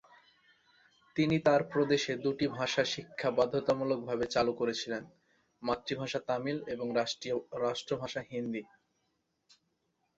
তিনি তার প্রদেশে দুটি ভাষা শিক্ষা বাধ্যতামূলকভাবে চালু করেছিলেন, মাতৃভাষা তামিল এবং রাষ্ট্রভাষা হিন্দি।